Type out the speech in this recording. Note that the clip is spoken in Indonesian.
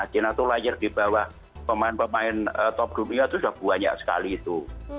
china itu layer di bawah pemain pemain top dunia itu sudah banyak sekali itu